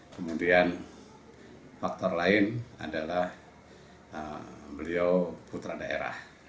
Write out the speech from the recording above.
kemudian faktor lain adalah beliau putra daerah